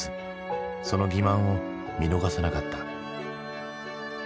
その欺まんを見逃さなかった。